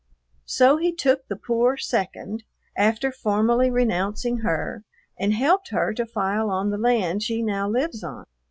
So he took the poor "second," after formally renouncing her, and helped her to file on the land she now lives on.